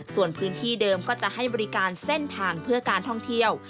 ส่วนพื้นที่เดิมก็จะให้บริการเส้นทางเพื่อการท่องเที่ยว